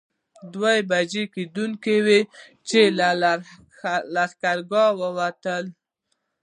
دوه بجې کېدونکې وې چې له لښکرګاه ووتلو.